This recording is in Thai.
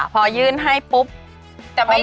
พอยื่นให้ปุ๊บจะไม่